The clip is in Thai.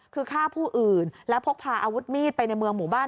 คือฆ่าผู้อื่นและพกพาอาวุธมีดไปในเมืองหมู่บ้าน